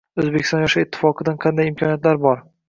“O‘zbekiston Yoshlar ittifoqi”dan qayday imkoniyatlar bor?